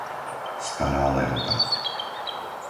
Stará Lehota